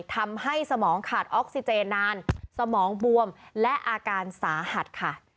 สมองขาดออกซิเจนนานสมองบวมและอาการสาหัสค่ะ